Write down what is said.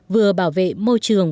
vừa bảo vệ môi trường